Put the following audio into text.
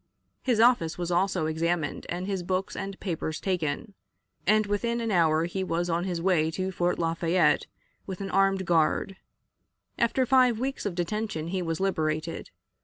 His office was also examined, and his books and papers taken, and within an hour he was on his way to Fort Lafayette with an armed guard. After five weeks of detention he was liberated.